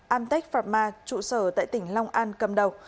antec pharma trụ sở tại tỉnh long an cầm đầu